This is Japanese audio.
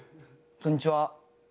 こんにちは。